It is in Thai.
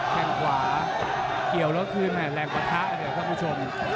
แข่งขวาเกี่ยวและคืนแรกกว่าถะนะครับผู้ชม